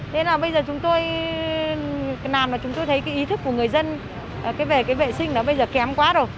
thế là bây giờ chúng tôi làm là chúng tôi thấy cái ý thức của người dân về cái vệ sinh đó bây giờ kém quá rồi